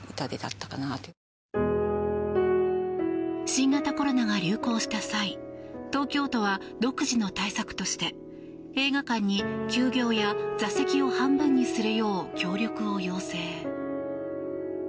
新型コロナが流行した際東京都は独自の対策として映画館に休業や、座席を半分にするよう協力を要請。